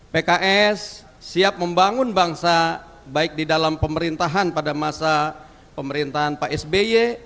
pks siap membangun bangsa baik di dalam pemerintahan pada masa pemerintahan pak sby